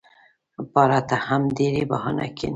یاره ته هم ډېري بهانې کیې.